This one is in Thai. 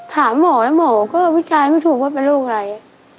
ถามหมอแล้วหมอก็วิจารณ์ไม่ถูกว่าเป็นโรคอะไร